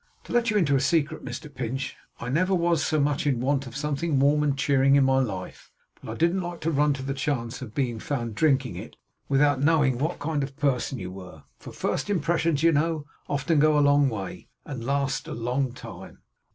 To let you into a secret, Mr Pinch, I never was so much in want of something warm and cheering in my life; but I didn't like to run the chance of being found drinking it, without knowing what kind of person you were; for first impressions, you know, often go a long way, and last a long time.